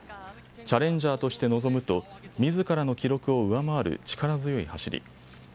チャレンジャーとして臨むとみずからの記録を上回る力強い走り。